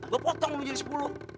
gua potong lu jadi sepuluh